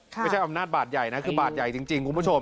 ไม่ใช่อำนาจบาดใหญ่นะคือบาทใหญ่จริงคุณผู้ชม